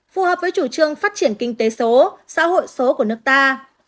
phù hợp với chủ trương phát triển kinh tế số xã hội số của nước ta